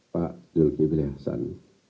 pak yulki wilhassan